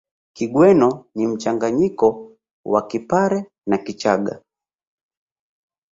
Kigweno ni mchanganyika wa Kipare na Kichaga